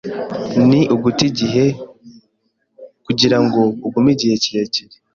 Ni uguta igihe kugirango ugume igihe kirekire.